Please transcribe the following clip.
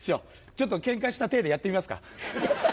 ちょっとケンカしたテイでやってみますか。